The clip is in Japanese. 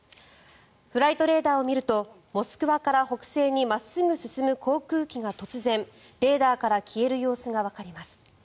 フライトレーダーを見るとモスクワから北西に真っすぐ進む航空機が突然、レーダーから消える様子がわかります。